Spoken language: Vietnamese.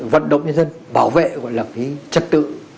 vận động nhân dân bảo vệ gọi là cái trật tự